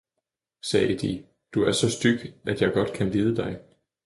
sagde de, Du er så styg at jeg kan godt lide dig!